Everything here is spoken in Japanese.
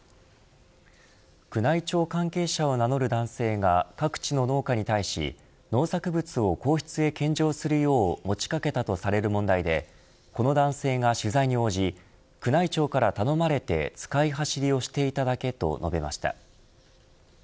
宮内庁関係者を名乗る男性が各地の農家に対し農作物を皇室へ献上するよう持ち掛けたとされる問題でこの男性が取材に応じ宮内庁から頼まれて使い走りをしていただけと述べました。